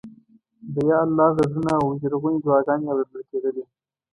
د یا الله غږونه او ژړغونې دعاګانې اورېدل کېدلې.